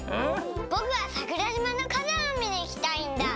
ぼくはさくらじまのかざんをみにいきたいんだ。